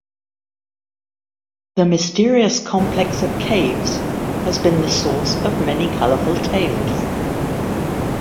The mysterious complex of caves has been the source of many colorful tales.